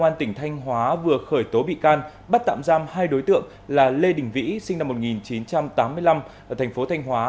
công an tỉnh thanh hóa vừa khởi tố bị can bắt tạm giam hai đối tượng là lê đình vĩ sinh năm một nghìn chín trăm tám mươi năm ở thành phố thanh hóa